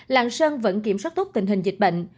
lạng sơn vẫn kiểm soát tốt tình hình dịch bệnh